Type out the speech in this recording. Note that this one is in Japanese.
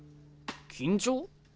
緊張？